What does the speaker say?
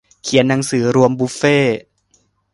เขียนหนังสือรวมบุฟเฟต์